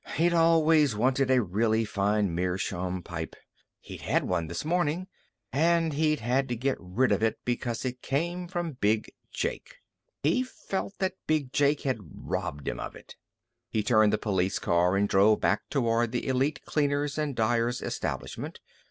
He'd always wanted a really fine meerschaum pipe. He'd had one this morning, and he'd had to get rid of it because it came from Big Jake. He felt that Big Jake had robbed him of it. He turned the police car and drove back toward the Elite Cleaners and Dyers establishment.